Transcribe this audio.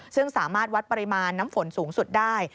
ซึ่งสามารถวัดปริมาณน้ำฝนสูงสุดได้